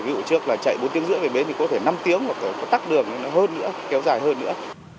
ví dụ trước là chạy bốn tiếng rưỡi về bến thì có thể năm tiếng có tắt đường thì nó hơn nữa kéo dài hơn nữa